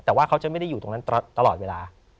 แต่ว่าเขาจะไม่ได้อยู่ตรงนั้นตลอดเวลา